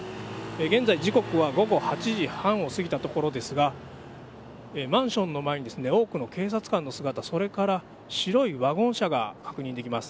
現在時刻は午後８時半を過ぎたところですがマンションの前に多くの警察官の姿、それから白いワゴン車が確認できます。